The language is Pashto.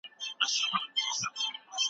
علمي پلټنه هغه بهیر دی چي هیڅکله نه ودریږي.